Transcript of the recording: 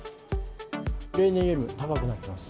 例年よりも高くなっています。